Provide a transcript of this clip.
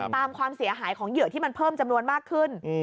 ความเสียหายของเหยื่อที่มันเพิ่มจำนวนมากขึ้น